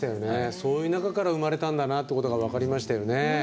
そういう中から生まれたんだなってことが分かりましたよね。